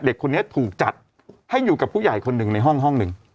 เด็กคนนี้ถูกจัดให้อยู่กับผู้ใหญ่คนหนึ่งในห้องห้องหนึ่ง